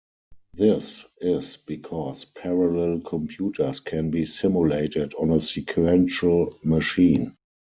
This is because parallel computers can be simulated on a sequential machine.